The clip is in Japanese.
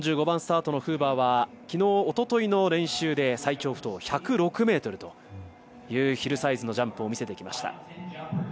４５番スタートのフーバーはきのう、おとといの練習で最長不倒１０６ｍというヒルサイズのジャンプを見せてきました。